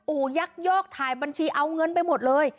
อูยักษ์ยอกทายบัญชีเอาเงินไปหมดเลย